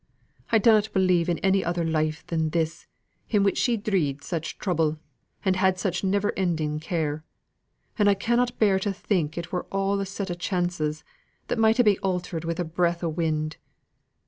"I dunnot believe in any other life than this, in which she dreed such trouble, and had such never ending care; and I cannot bear to think it were all a set o' chances, that might ha' been altered wi' a breath o' wind.